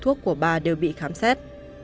thuốc của bà đều bị khám xét